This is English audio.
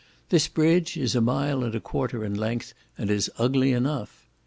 This bridge is a mile and a quarter in length, and is ugly enough.